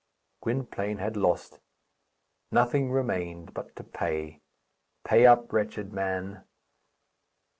Gwynplaine had lost. Nothing remained but to pay. Pay up, wretched man!